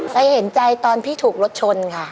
เคยเห็นใจตอนพี่ถูกรถชนค่ะ